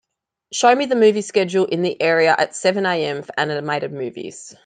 show me the movie schedule in the area at seven AM for animated movies